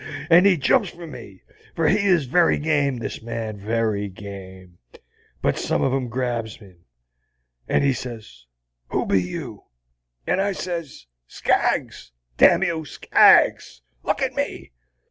And he jumps for me, for he is very game, this Man, very game, but some on 'em grabs him, and he sez, 'Who be you?' And I sez, 'Skaggs! damn you, Skaggs! Look at me!